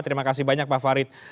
terima kasih banyak pak farid